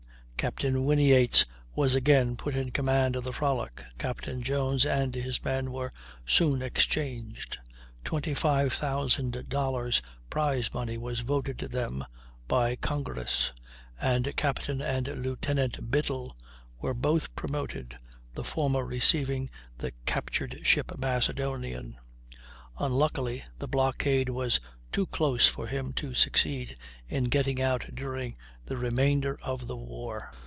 Captain Whinyates was again put in command of the Frolic. Captain Jones and his men were soon exchanged; 25,000 dollars prize money was voted them by Congress, and Captain and Lieutenant Biddle were both promoted, the former receiving the captured ship Macedonian. Unluckily the blockade was too close for him to succeed in getting out during the remainder of the war.